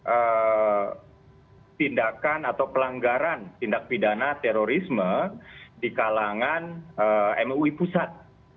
ada tindakan atau pelanggaran tindak pidana terorisme di kalangan mui pusat